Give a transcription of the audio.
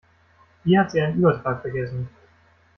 Hier hat sie einen Übertrag vergessen.